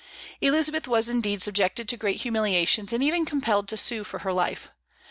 Elizabeth was indeed subjected to great humiliations, and even compelled to sue for her life.